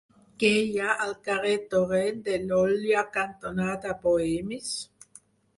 Què hi ha al carrer Torrent de l'Olla cantonada Bohemis?